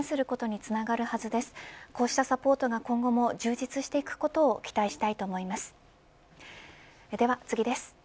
こうしたサポートが今後も充実していくことを期待したいと思います。